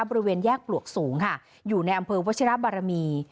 บริเวณแยกปลวกสูงค่ะอยู่ในอำเภอวัชิรบารมี